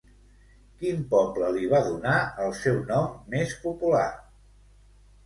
Quin poble li va donar el seu nom més popular?